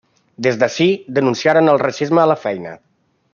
Des d'ací denunciaren el racisme a la feina.